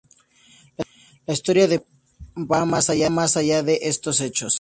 La historia de Fago va más allá de estos hechos.